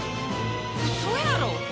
ウソやろ？